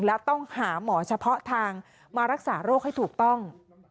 และต้องหาหมอเฉพาะทางมารักษาโรคให้ถูกต้อง